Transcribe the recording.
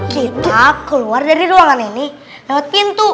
kita keluar dari ruangan ini lewat pintu